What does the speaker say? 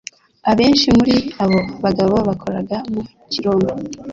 Abenshi muri abo bagabo bakoraga mu kirombe.